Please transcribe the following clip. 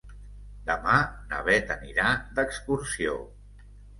Demà na Beth anirà d'excursió.